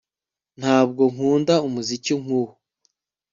Ntabwo nkunda umuziki nkuwo